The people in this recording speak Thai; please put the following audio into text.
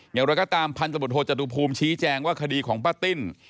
อย่างไรก็ตามพันธบทโทจตุภูมิชี้แจงว่าคดีของป้าติ้น